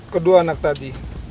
kedua anak tadi